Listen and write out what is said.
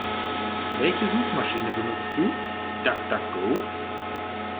Welche Suchmaschiene benutzt du? DuckDuckGo?